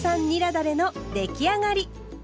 だれの出来上がり。